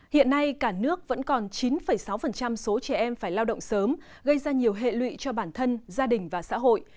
hiện nay cả nước vẫn còn chín sáu số trẻ em phải lao động sớm gây ra nhiều hệ lụy cho bản thân gia đình và xã hội